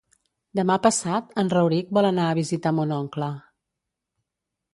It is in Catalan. Demà passat en Rauric vol anar a visitar mon oncle.